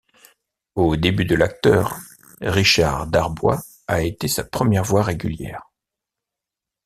Au début de l'acteur, Richard Darbois a été sa première voix régulière.